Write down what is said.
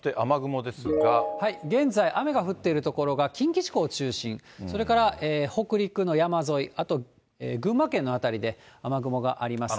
現在、雨が降っている所が近畿地方を中心、それから北陸の山沿い、あと群馬県の辺りで雨雲があります。